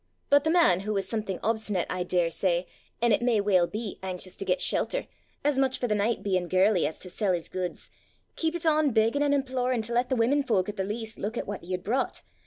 But the man, who was something obstinate, I dare say, and, it may weel be, anxious to get shelter, as much for the nicht bein' gurly as to sell his goods, keepit on beggin' an' implorin' to lat the women folk at the least luik at what he had broucht.